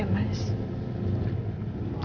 terima kasih mas